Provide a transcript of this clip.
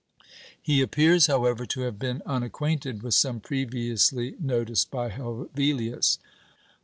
He appears, however, to have been unacquainted with some previously noticed by Hevelius.